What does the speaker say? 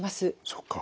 そっか。